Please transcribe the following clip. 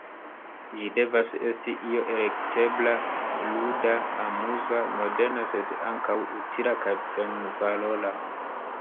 Ĝi devas esti io elektebla, luda, amuza, moderna sed ankaŭ utila kaj plenvalora.